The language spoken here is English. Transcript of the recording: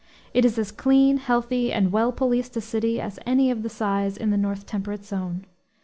It is as clean, healthy, and well policed a city as any of the size in the north temperate zone.